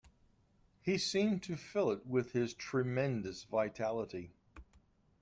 He seemed to fill it with his tremendous vitality.